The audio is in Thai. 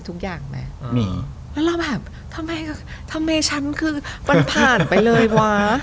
แล้วแบบทำไมมันผ่านไปเลยวะ